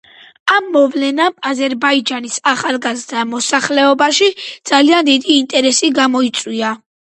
ამ მოვლენამ აზერბაიჯანის ახალგაზრდა მოსახლეობაში ძალიან დიდი ინტერესი გამოიწვია.